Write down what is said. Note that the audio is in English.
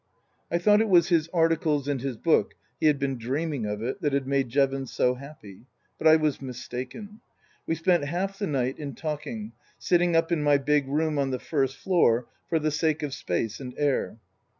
I thought it was his articles and his book (he had been dreaming of it) that had made Jevons so happy. But I was mistaken. We spent half the night in talking, sitting up in my big room on the first floor for the sake of space and air.